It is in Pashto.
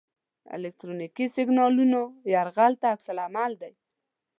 الکترونیکي سیګنالونو یرغل ته عکس العمل دی.